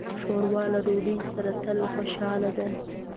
ښوروا له ډوډۍ سره تل خوشاله ده.